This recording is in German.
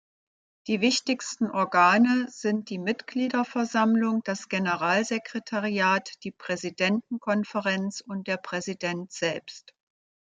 Die wichtigsten Organe sind die Mitgliederversammlung, das Generalsekretariat, die Präsidentenkonferenz und der Präsident selbst.